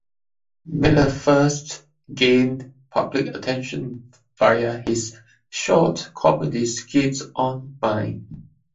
Miller first gained public attention via his short comedy skits on Vine.